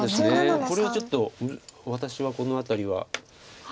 これちょっと私はこの辺りは。